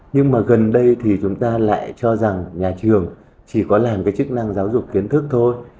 nhưng mà gần đây thì chúng ta lại cho rằng nhà trường chỉ có làm cái chức năng giáo dục kiến thức thôi